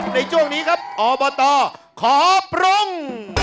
ในช่วงนี้ครับอบตขอปรุง